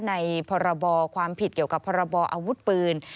พรบความผิดเกี่ยวกับพรบออาวุธปืน